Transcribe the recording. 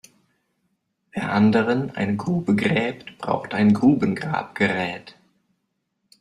Wer anderen eine Grube gräbt, braucht ein Grubengrabgerät.